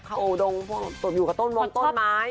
เข้าโอดงตกอยู่กับต้นวงต้นไม้